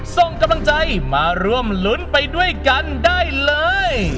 ส่งกำลังใจมาร่วมลุ้นไปด้วยกันได้เลย